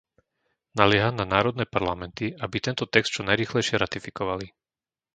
Nalieha na národné parlamenty, aby tento text čo najrýchlejšie ratifikovali.